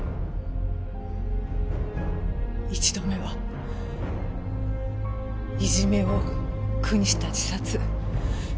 １度目はいじめを苦にした自殺。